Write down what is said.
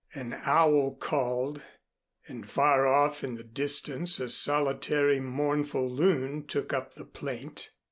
An owl called, and far off in the distance a solitary mournful loon took up the plaint.